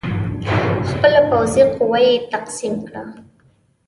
خپله پوځي قوه یې تقسیم کړه.